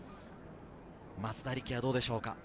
松田力也、どうでしょうか。